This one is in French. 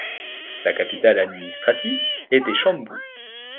Sa capitale administrative était Shambu.